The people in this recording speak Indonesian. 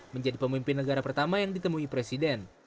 menjadi pemimpin negara pertama yang ditemui presiden